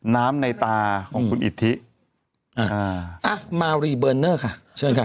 น้ำในตาของคุณอิทธิอ่าอ่ะมารีเบอร์เนอร์ค่ะเชิญค่ะ